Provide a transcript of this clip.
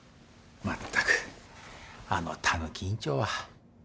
全くあのたぬき院長は。